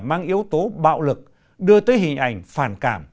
mang yếu tố bạo lực đưa tới hình ảnh phản cảm